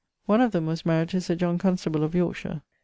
One of them was maried to Sir John Cunstable of Yorkshire.